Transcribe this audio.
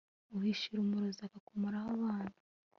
uhishira umurozi akakumaraho abana